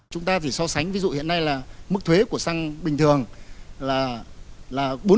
chúng ta chỉ so sánh ví dụ hiện nay là mức thuế của xăng bình thường là bốn mươi